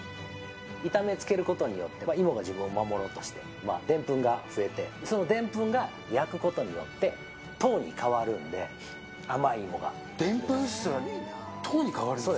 痛めつけることによって芋が自分を守ろうとして、デンプンが増えて、そのでんぷんが焼くことによって、糖に変わるんで、甘い芋が出来ます。